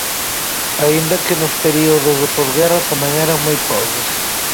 Aínda que nos períodos de posguerra tamén eran moi pobres.